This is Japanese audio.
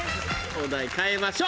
お題変えましょう！